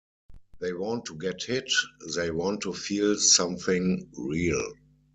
They want to get hit, they want to feel something real.